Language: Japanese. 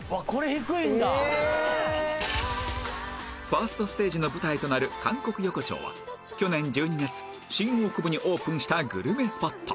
ファーストステージの舞台となる韓国横丁は去年１２月新大久保にオープンしたグルメスポット